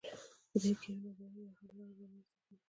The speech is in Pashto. په دې کې یوه نظریه یا حل لاره رامیینځته کیږي.